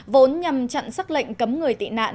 vốn nhằm chặn xác lệnh cấm người tị nạn